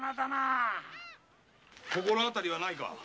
心当たりはないか？